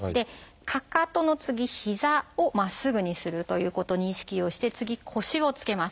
かかとの次膝をまっすぐにするということに意識をして次腰をつけます。